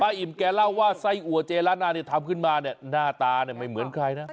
อิ่มแกเล่าว่าไส้อัวเจร้านนาเนี่ยทำขึ้นมาเนี่ยหน้าตาเนี่ยไม่เหมือนใครนะ